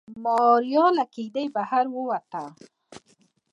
ماريا له کېږدۍ بهر ووته.